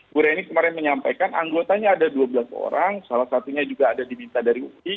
bu reni kemarin menyampaikan anggotanya ada dua belas orang salah satunya juga ada diminta dari ui